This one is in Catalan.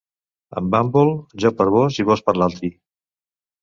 Amb bàmbol, jo per vós i vós per altri.